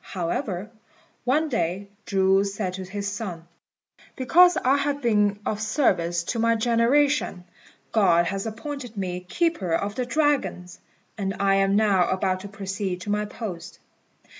However, one day Chu said to his son, "Because I have been of service to my generation, God has appointed me Keeper of the Dragons; and I am now about to proceed to my post."